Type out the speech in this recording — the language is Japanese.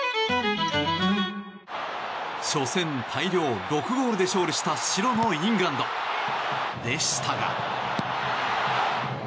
初戦で大量６ゴールで勝利した白のイングランド。でしたが。